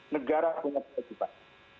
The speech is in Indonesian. negara punya kewajiban